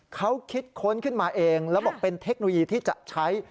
เขาคิดค้นขึ้นมาเองแล้วบอกเป็นเทคโนโลยีที่จะใช้